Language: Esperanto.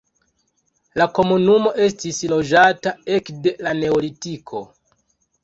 La komunumo estis loĝata ekde la neolitiko.